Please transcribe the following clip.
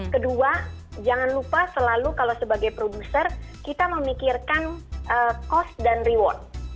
kedua jangan lupa selalu kalau sebagai produser kita memikirkan cost dan reward